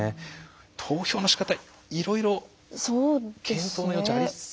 投票のしかたいろいろ検討の余地ありそう。